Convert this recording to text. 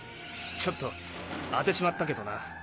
ちょっと当てちまったけどな。